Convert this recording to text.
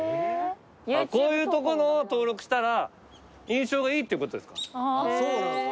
こういうとこのを登録したら印象がいいってことですか。